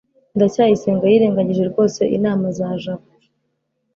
ndacyayisenga yirengagije rwose inama za jabo. (westofeden